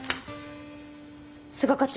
須賀課長。